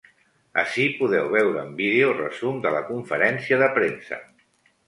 Ací podeu veure en vídeo resum de la conferència de premsa.